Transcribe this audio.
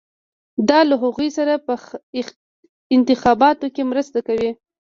دا له هغوی سره په انتخاباتو کې مرسته کوي.